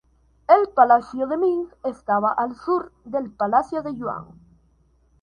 El palacio de Ming estaba al sur del palacio de Yuan.